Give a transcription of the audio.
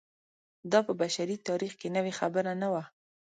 دا په بشري تاریخ کې نوې خبره نه وه.